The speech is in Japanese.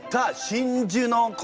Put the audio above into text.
真珠の粉！